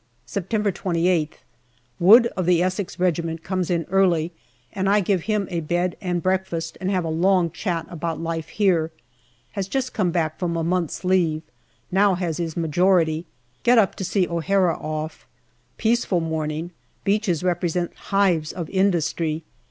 September 28th. Wood, of the Essex Regiment, comes in early, and I give him a bed and breakfast and have a long chat about life here. Has just come back from a month's leave. Now SEPTEMBER 235 has his majority. Get up to see O'Hara off. Peaceful morning ; beaches represent hives of industry.